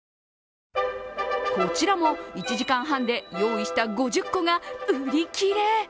こちらも１時間半で用意した５０個が売り切れ。